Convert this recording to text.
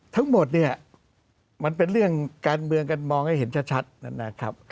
ทั้งหมดเนี่ยมันเป็นเรื่องการเมืองกันมองให้เห็นชัดนะครับ